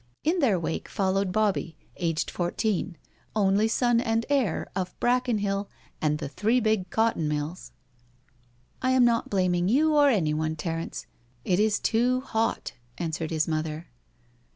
In their wake followed Bobbie, aged four teen, only son and heir of Brackenhill and the three big cotton mills. " I am not blaming you or anyone, Terence— it is too hot I " answered his mother.